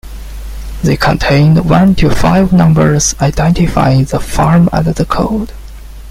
They contained one to five numbers identifying the farm and the code.